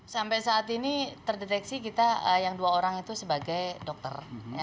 sampai saat ini terdeteksi kita yang dua orang itu sebagai dokter